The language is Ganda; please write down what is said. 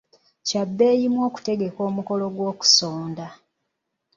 Kyabbeeyimu okutegeka omukolo gw'okusonda.